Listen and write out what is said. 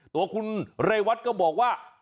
ตัวคุณเรวัตก็บอกว่า